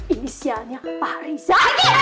inisialnya pak riza